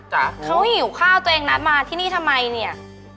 เขาหิวข้าวตัวเองนะมาที่นี่ทำไมเนี่ย